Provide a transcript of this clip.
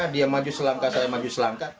dia maju selangkah saya maju selangkah